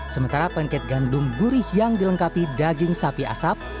sementara panket gandum gurih yang dilengkapi daging sapi asap